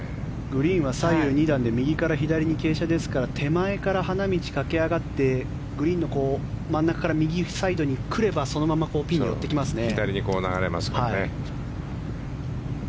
グリーンは左右２段で右から左に傾斜ですから手前から花道を駆け上がってグリーンの真ん中から右サイドに来ればそのままピンに寄ってきますね。